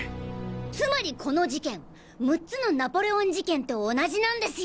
つまりこの事件『六つのナポレオン事件』と同じなんですよ。